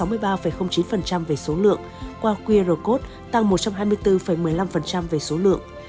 qua qr code tăng một trăm hai mươi bốn một mươi năm về số lượng